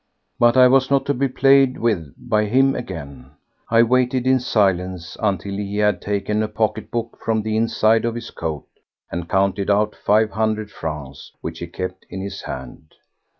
But I was not to be played with by him again. I waited in silence until he had taken a pocket book from the inside of his coat and counted out five hundred francs, which he kept in his hand.